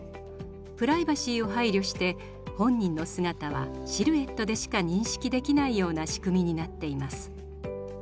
プライバシーを配慮して本人の姿はシルエットでしか認識できないような仕組みになっています。